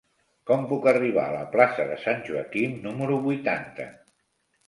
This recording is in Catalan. Com puc arribar a la plaça de Sant Joaquim número vuitanta?